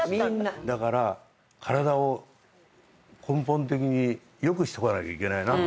だから体を根本的に良くしとかなきゃいけないなと思って。